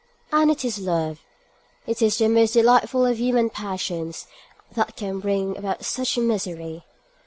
And it is love, it is the most delightful of human passions, that can bring about such misery!